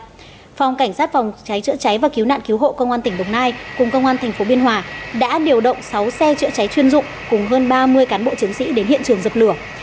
phòng cảnh sát phòng cháy chữa cháy và cứu nạn cứu hộ công an tỉnh đồng nai cùng công an tp biên hòa đã điều động sáu xe chữa cháy chuyên dụng cùng hơn ba mươi cán bộ chiến sĩ đến hiện trường dập lửa